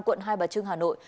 quận hai bà trưng hà nội